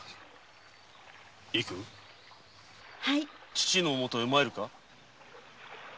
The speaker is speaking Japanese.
父のもとへ参るか？